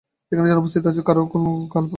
এখানে যারা উপস্থিত আছো, কান খুলে ভালো করে শোনো!